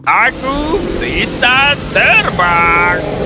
aku bisa terbak